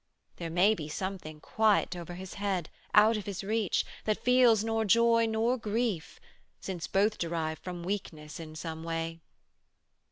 There may be something quiet o'er His head, Out of His reach, that feels nor joy nor grief, Since both derive from weakness in some way.